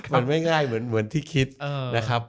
มันไม่ง่ายเหมือนที่คิดนะครับ